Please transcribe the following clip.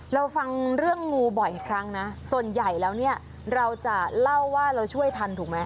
เราฟังเรื่องงูบ่อยครั้งนะส่วนใหญ่แล้วเนี่ยเราจะเล่าว่าเราช่วยทันถูกไหม